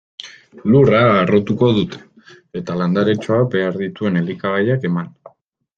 Lurra harrotuko dute, eta landaretxoak behar dituen elikagaiak eman.